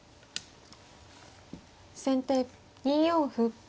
先手２四歩。